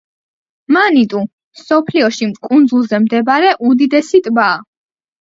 მანიტუ მსოფლიოში კუნძულზე მდებარე უდიდესი ტბაა.